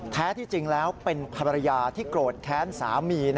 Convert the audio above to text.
แท้ที่จริงแล้วเป็นภรรยาที่โกรธแค้นสามี